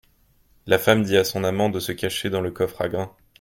La femme dit à son amant de se cacher dans le coffre à grain.